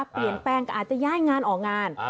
เปลี่ยนแปลงก็อาจจะย้ายงานออกงาน